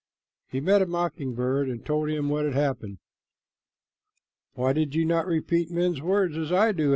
He met a mocking bird and told him what had happened. "Why did you not repeat men's words as I do?"